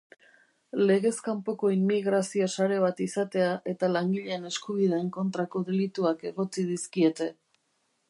Legez kanpoko immigrazio sare bat izatea eta langileen eskubideen kontrako delituak egotzi dizkiete